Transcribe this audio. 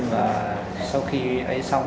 và sau khi ấy xong